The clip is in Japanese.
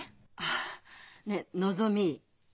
あっねえのぞみ。